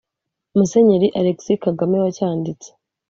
Musenyeri Alegisi Kagame wacyanditse,